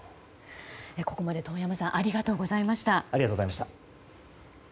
ここまで遠山さんありがとうございました。